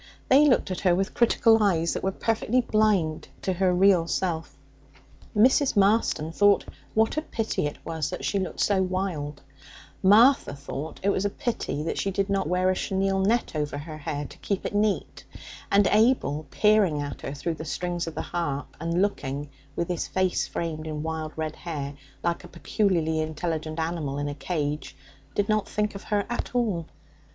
They looked at her with critical eyes that were perfectly blind to her real self. Mrs. Marston thought what a pity it was that she looked so wild; Martha thought it a pity that she did not wear a chenille net over her hair to keep it neat; and Abel, peering up at her through the strings of the harp and looking with his face framed in wild red hair like a peculiarly intelligent animal in a cage, did not think of her at all.